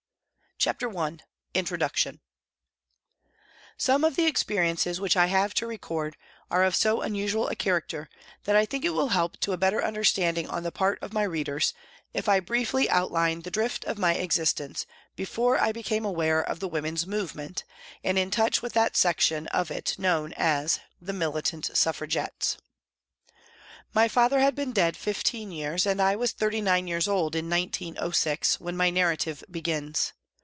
CHAPTER I INTRODUCTION SOME of the experiences which I have to record are of so unusual a character that I think it will help to a better understanding on the part of my readers if I briefly outline the drift of my existence before I became aware of the women's movement, and in touch with that section of it known as the " Militant Suffragettes." My father had been dead fifteen years and I was thirty nine years old in 1906, when my narrative begins.